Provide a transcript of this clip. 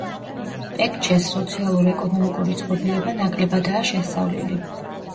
პექჩეს სოციალურ-ეკონომიკური წყობილება ნაკლებადაა შესწავლილი.